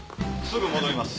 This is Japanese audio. すぐ戻ります。